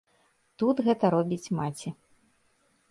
Тут гэта робіць маці.